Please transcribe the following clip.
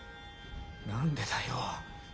何でだよ。